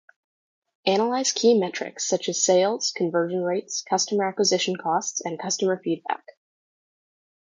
Analyze key metrics such as sales, conversion rates, customer acquisition costs, and customer feedback.